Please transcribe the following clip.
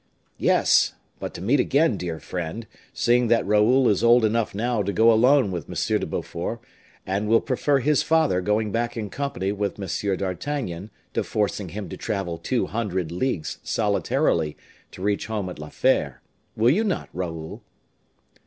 "Yes, but to meet again, dear friend, seeing that Raoul is old enough now to go alone with M. de Beaufort, and will prefer his father going back in company with M. d'Artagnan, to forcing him to travel two hundred leagues solitarily to reach home at La Fere; will you not, Raoul?"